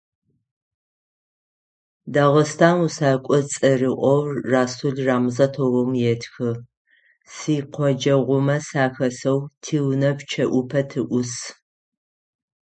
Дагъыстан усэкӏо цӏэрыӀоу Расул Гамзатовым етхы: «Сикъоджэгъумэ сахэсэу тиунэ пчъэӏупэ тыӏус».